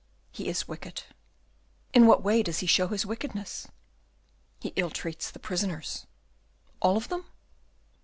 "He is wicked." "In what way does he show his wickedness?" "He ill treats the prisoners." "All of them?"